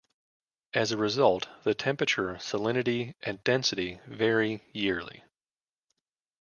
As a result, the temperature, salinity, and density vary yearly.